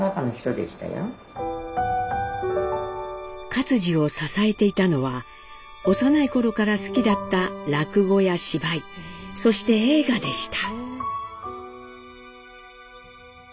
克爾を支えていたのは幼い頃から好きだった落語や芝居そして映画でした。